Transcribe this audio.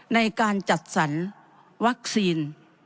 ในการจัดสรรวัคซีน